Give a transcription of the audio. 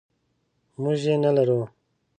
موږ یې نلرو.